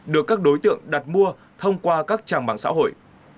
được các đối tượng đặt mua thông qua các trang mạng xã hội